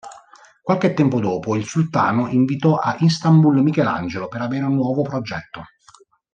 Qualche tempo dopo il sultano invitò a Istanbul Michelangelo, per avere un nuovo progetto.